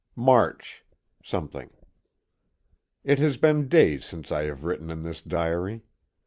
] March, . It has been days since I have written in this diary.